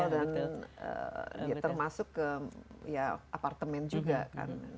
dan ya termasuk ke ya apartemen juga kan